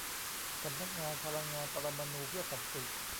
สำนักงานพลังงานปรมาณูเพื่อสันติ